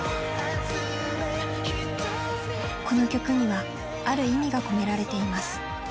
この曲にはある意味が込められています。